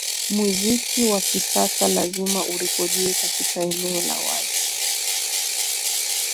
muziki wa kisasa lazima urekodiwe katika eneo la wazi